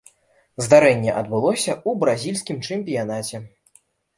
Здарэнне адбылося ў бразільскім чэмпіянаце.